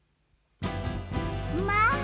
まあ。